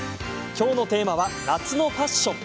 きょうのテーマは夏のファッション。